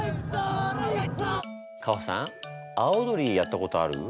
カホさんあわ踊りやったことある？